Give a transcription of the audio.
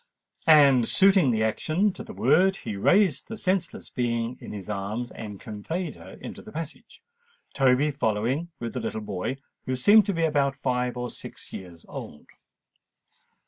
And, suiting the action to the word, he raised the senseless being in his arms, and conveyed her into the passage, Toby following with the little boy, who seemed to be about five or six years old.